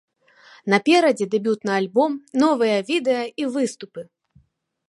Наперадзе дэбютны альбом, новыя відэа і выступы!